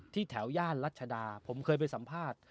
แถวย่านรัชดาผมเคยไปสัมภาษณ์